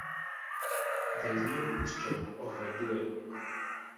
There is no question of a duel.